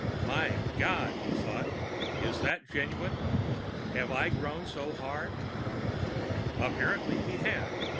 My God, he thought. Is that genuine? Have I really grown so hard? Apparently he had.